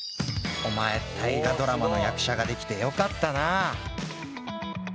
お前大河ドラマの役者ができてよかったな。